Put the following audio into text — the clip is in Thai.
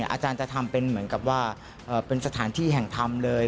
อาจารย์จะทำเป็นเหมือนกับว่าเป็นสถานที่แห่งธรรมเลย